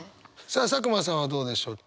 さあ佐久間さんはどうでしょう？